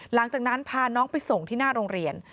หลังจากนั้นพาน้องไปส่งที่หน้าโรงเรียน